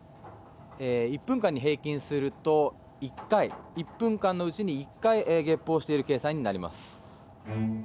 １分間に平均すると１回１分間のうちに１回げっぷをしている計算になります。